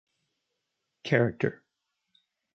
Chr.